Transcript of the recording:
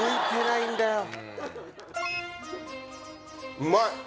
うまい！